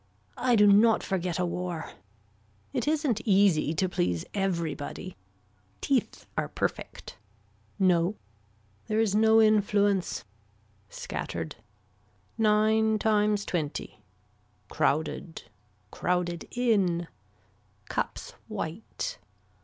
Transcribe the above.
I do not forget a war. It isn't easy to please everybody. Teeth are perfect. No. There is no influence. Scattered. Nine times twenty. Crowded. Crowded in. Cups white.